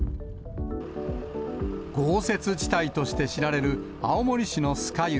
豪雪地帯として知られる、青森市の酸ヶ湯。